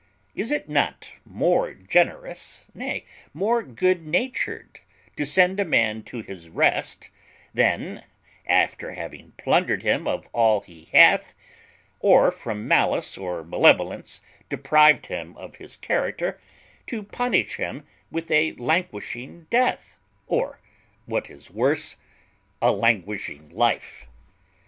Is it not more generous, nay, more good natured, to send a man to his rest, than, after having plundered him of all he hath, or from malice or malevolence deprived him of his character, to punish him with a languishing death, or, what is worse, a languishing life?